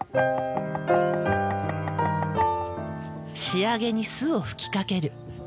仕上げに酢を吹きかける。